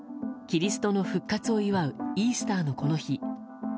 キリストの復活を祝うイースターのこの日。